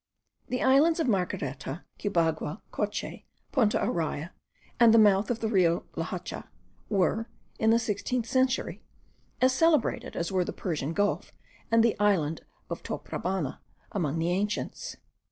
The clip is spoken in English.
The islands of Margareta, Cubagua, Coche, Punta Araya, and the mouth of the Rio la Hacha, were, in the sixteenth century, as celebrated as were the Persian Gulf and the island of Taprobana among the ancients.